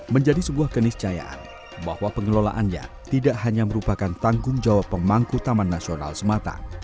menjadi sebuah keniscayaan bahwa pengelolaannya tidak hanya merupakan tanggung jawab pemangku taman nasional semata